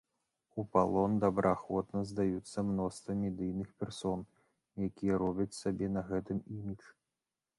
У палон добраахвотна здаюцца мноства медыйных персон, якія робяць сабе на гэтым імідж.